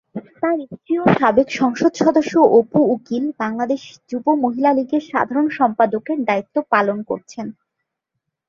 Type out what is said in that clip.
তার স্ত্রী ও সাবেক সংসদ সদস্য অপু উকিল বাংলাদেশ যুব মহিলা লীগের সাধারণ সম্পাদকের দায়িত্ব পালন করছেন।